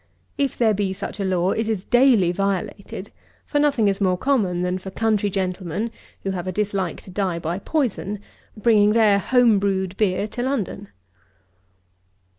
If there be such a law, it is daily violated; for nothing is more common than for country gentlemen, who have a dislike to die by poison, bringing their home brewed beer to London.